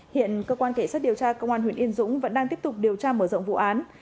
hiện cơ quan cảnh sát điều tra công an huyện yên dũng vẫn đang tiếp tục điều tra mở rộng vụ án